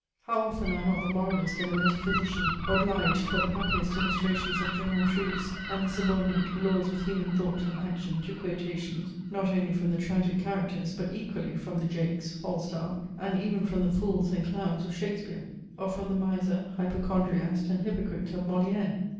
How often are not the moralist and the metaphysician obliged for the happiest illustrations of general truths and the subordinate laws of human thought and action to quotations, not only from the tragic characters, but equally from the Jaques, Falstaff, and even from the fools and clowns of Shakespeare, or from the Miser, Hypochondriast, and Hypocrite, of Moliere!